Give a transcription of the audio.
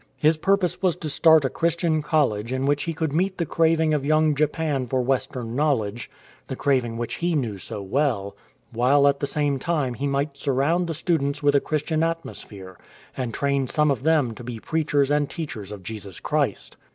"" His purpose was to start a Christian College in which he could meet the craving of Young Japan for Western knowledge — the craving which he knew so well — while at the same time he might surround the students with a Christian atmosphere, and train some of them to be preachers and teachers of Jesus Christ.